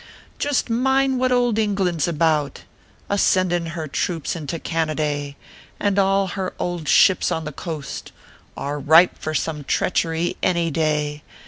" Joost mind what ould England s about, A sendin her throops into Canaday ; And all her ould ships on the coast Are ripe for some treachery any day.